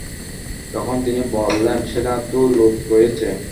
তখন তিনি বললেন, সেখানে তো লূত রয়েছে।